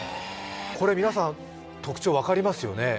皆さん、特徴分かりますよね。